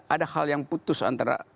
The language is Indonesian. ada hal yang putus antara